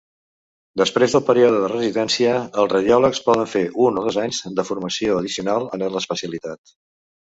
Després del període de residència, els radiòlegs poden fer un o dos anys de formació addicional en l'especialitat.